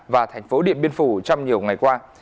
và thành phố điện biên phủ trong nhiều ngày qua